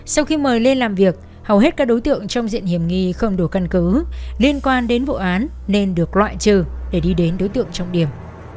sau khi mời lên làm việc hầu hết các đối tượng trong diện hiểm nghi không đủ căn cứ liên quan đến vụ án nên được loại trừ để đi đến đối tượng trọng điểm